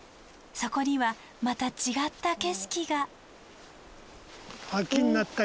そこにはまた違った景色が。